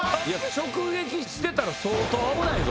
直撃してたら相当危ないぞ。